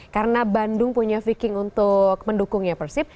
karena bandung punya viking untuk mendukungnya persib